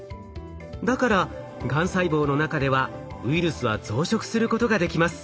だからがん細胞の中ではウイルスは増殖することができます。